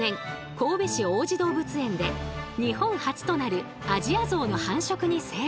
神戸市王子動物園で日本初となるアジアゾウの繁殖に成功。